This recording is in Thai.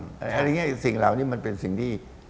อะไรอย่างนี้สิ่งเหล่านี้มันเป็นสิ่งที่